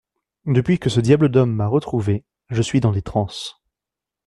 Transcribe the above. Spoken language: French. Depuis que ce diable d’homme m’a retrouvé, je suis dans des transes…